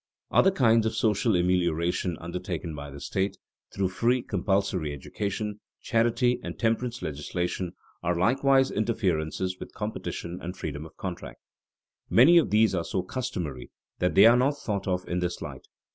_Other kinds of social amelioration undertaken by the state, through free, compulsory education, charity, and temperance legislation, are likewise interferences with competition and freedom of contract._ Many of these are so customary that they are not thought of in this light.